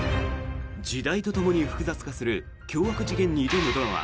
時代とともに複雑化する凶悪事件に挑むドラマ